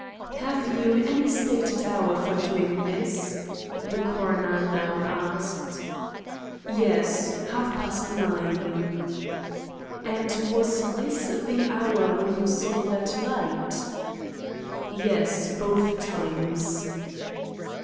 "Have you any stated hour for doing this?" the coroner now asked. "Yes; half past nine" "And was this the hour when you saw that light?" "Yes, both times."